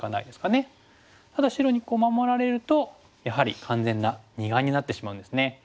ただ白にこう守られるとやはり完全な二眼になってしまうんですね。